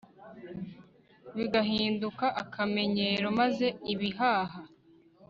bigahinduka akamenyero maze ibihaha